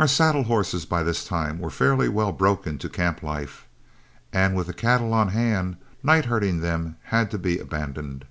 Our saddle horses by this time were fairly well broken to camp life, and, with the cattle on hand, night herding them had to be abandoned.